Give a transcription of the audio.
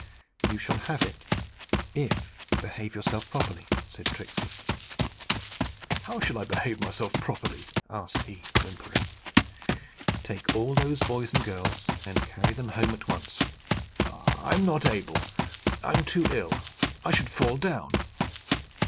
"You shall have it, if you behave yourself properly," said Tricksey. "How shall I behave myself properly?" asked he, whimpering. "Take all those boys and girls, and carry them home at once." "I'm not able; I'm too ill. I should fall down."